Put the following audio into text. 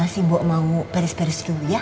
si mbok mau beres beres dulu ya